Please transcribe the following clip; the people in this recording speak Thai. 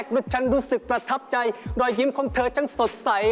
ครับครับแต่ที่นี่พอผมมาเจอแฟน